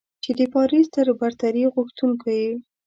چې د پارس تر برتري غوښتونکو يې.